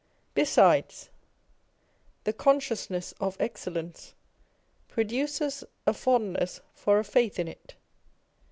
Be sides, the consciousness of excellence produces a fondness for a faith in it.